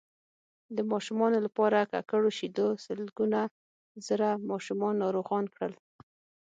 د ماشومانو لپاره ککړو شیدو سلګونه زره ماشومان ناروغان کړل